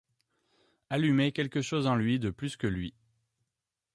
Allumer quelque chose en lui de plus que lui